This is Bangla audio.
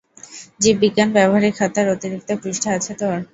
জীববিজ্ঞান ব্যবহারিক খাতার অতিরিক্ত পৃষ্ঠা আছে তোর?